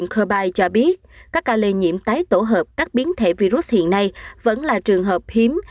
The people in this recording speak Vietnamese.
kerbyte cho biết các ca lây nhiễm tái tổ hợp các biến thể virus hiện nay vẫn là trường hợp hiếm